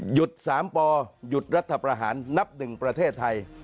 หยุด๓ปหยุดรัฐประหารนับหนึ่งประเทศไทย